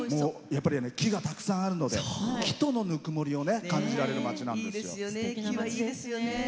やっぱり木がたくさんあるので木とのぬくもりをいいですよね。